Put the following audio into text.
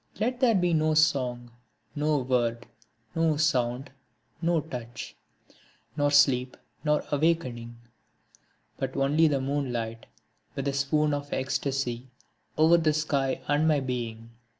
Let there be no song, no word, no sound, no touch; nor sleep, nor awakening, But only the moonlight like a swoon of ecstasy over the sky and my being.